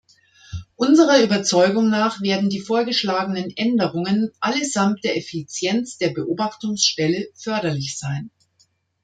Unserer Überzeugung nach werden die vorgeschlagenen Änderungen allesamt der Effizienz der Beobachtungsstelle förderlich sein.